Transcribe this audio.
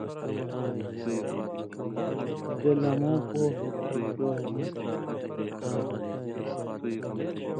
بےۡ لمٶں پو ہوۡگ تھو شو ناں!